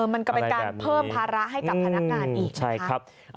มันก็เป็นการเพิ่มภาระให้กับพนักงานอีกนะครับ